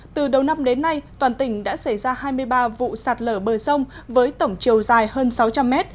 từ đầu năm đến nay toàn tỉnh đã xảy ra hai mươi ba vụ sạt lở bờ sông với tổng chiều dài hơn sáu trăm linh mét